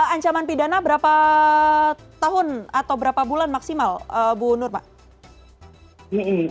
ancaman pidana berapa tahun atau berapa bulan maksimal bu nur pak